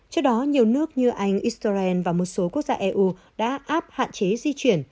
trước đó nhiều nước như anh israel và một số quốc gia eu đã áp hạn chế di chuyển